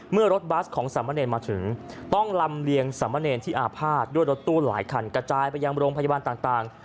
เมื่อรถบัสของสามเณรมาถึงต้องลำเลียงสามเณรที่อาภาษณ์ด้วยรถตู้หลายคันกระจายไปยังโรงพยาบาลต่าง